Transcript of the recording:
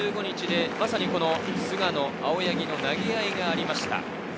４月１５日、まさに菅野、青柳の投げ合いがありました。